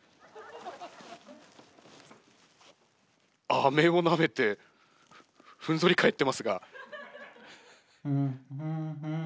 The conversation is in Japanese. アメをなめてふんぞり返ってますが。